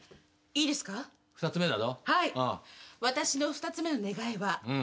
私の２つ目の願いは。